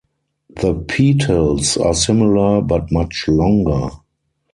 The petals are similar but much longer.